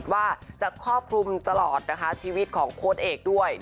ว่าจะครอบคลุมตลอดชีวิตของโค้ดเอกด้วย